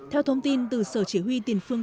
theo thông tin từ sở chỉ huy tiền phương